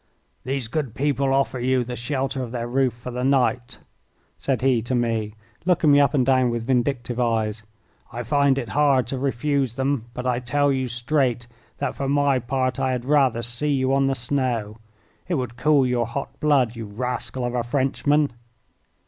"These good people offer you the shelter of their roof for the night," said he to me, looking me up and down with vindictive eyes. "I find it hard to refuse them, but I tell you straight that for my part I had rather see you on the snow. It would cool your hot blood, you rascal of a Frenchman!"